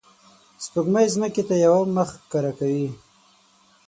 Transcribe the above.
سپوږمۍ ځمکې ته یوه مخ ښکاره کوي